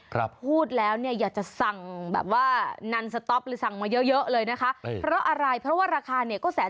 พูดแล้วอยากจะสั่งแบบว่านันสต๊อปหรือสั่งมาเยอะเลยนะคะ